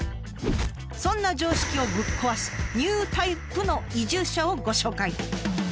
そんな常識をぶっ壊すニュータイプの移住者をご紹介。